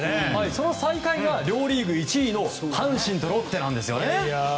その最下位が両リーグ１位の阪神とロッテ。